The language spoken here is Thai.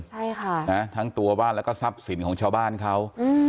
ใช่ค่ะนะทั้งตัวบ้านแล้วก็ทรัพย์สินของชาวบ้านเขาอืม